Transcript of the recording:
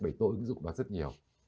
bởi tôi ứng dụng nó rất nhiều